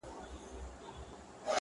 کتابونو کي راغلې دا کيسه ده-